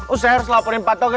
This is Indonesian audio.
usah harus laporin pak togar